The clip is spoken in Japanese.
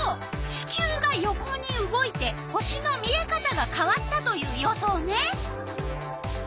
地球が横に動いて星の見えかたがかわったという予想ね。